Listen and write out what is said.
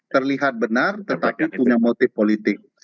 terlihat benar tetapi punya motif politik